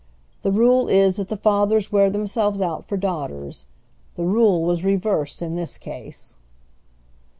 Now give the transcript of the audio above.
The rule is that the fathers wear themselves out for daughters; the rule was reversed in this case.